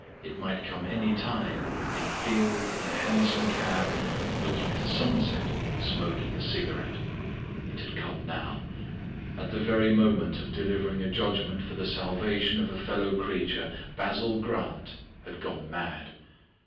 It might come anywhere, in a field, in a hansom cab, looking at a sunset, smoking a cigarette. It had come now. At the very moment of delivering a judgement for the salvation of a fellow creature, Basil Grant had gone mad.